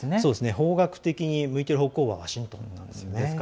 方角的に向いてる方向がワシントンですね。